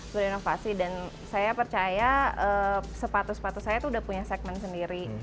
berinovasi dan saya percaya sepatu sepatu saya itu udah punya segmen sendiri